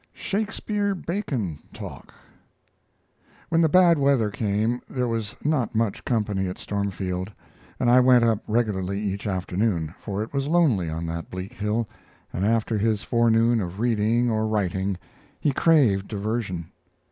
SHAKESPEARE BACON TALK When the bad weather came there was not much company at Stormfield, and I went up regularly each afternoon, for it was lonely on that bleak hill, and after his forenoon of reading or writing he craved diversion.